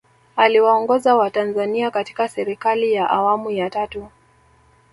Aliwaongoza watanzania katika Serikali ya Awamu ya tatu